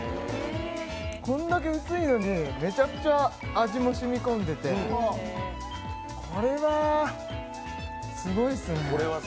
こんだけ薄いのにめちゃくちゃ味もしみこんでて、これはすごいっすね。